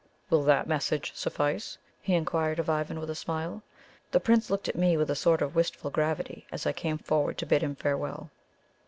Will that message suffice?" he inquired of Ivan, with a smile. The Prince looked at me with a sort of wistful gravity as I came forward to bid him farewell.